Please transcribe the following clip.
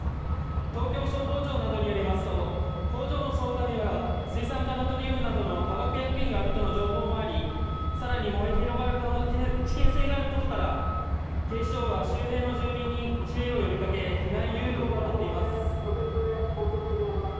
東京消防庁などによりますと工場の倉庫には水酸化ナトリウムなどの化学薬品があるとの情報もありさらに燃え広がる危険性があることから警視庁は周辺の住民に注意を呼びかけ避難誘導を行っています